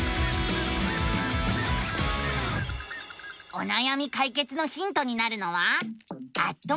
おなやみ解決のヒントになるのは「アッ！とメディア」。